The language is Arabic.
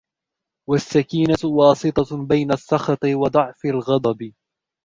وَالسَّكِينَةُ وَاسِطَةٌ بَيْنَ السَّخَطِ وَضَعْفِ الْغَضَبِ